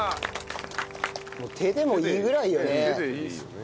もう手でもいいぐらいよね。